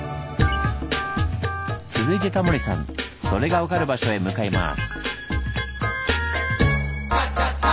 続いてタモリさんそれが分かる場所へ向かいます。